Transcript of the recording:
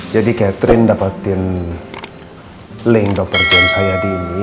jadi catherine dapetin link dokter james hayadi ini